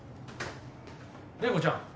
麗子ちゃん